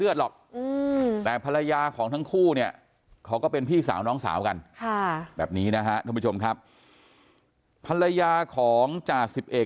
โอ้โหที่เราไปคุยด้วยเนี่ยเธอยังโศกเศร้าเสียใจตกใจ